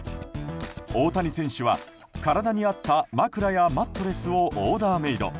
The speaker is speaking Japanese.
大谷選手は体に合った枕やマットレスをオーダーメイド。